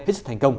hết sức thành công